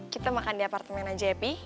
kita makan di apartemen aja pi